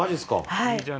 はい。